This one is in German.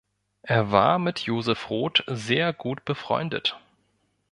Er war mit Joseph Roth sehr gut befreundet.